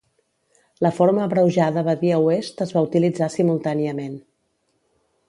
La forma abreujada Badia Oest es va utilitzar simultàniament.